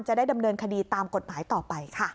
จะได้ดำเนินคดีตามกฎหมายต่อไปค่ะ